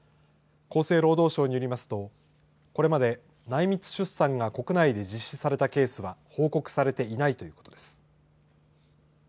厚生労働省によりますとこれまで内密出産が国内で実施されたケースは報告されていないということです。